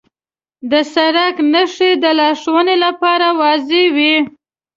د سړک نښې د لارښوونې لپاره واضح وي.